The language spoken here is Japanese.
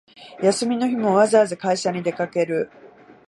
休みの日もわざわざ会社に出かける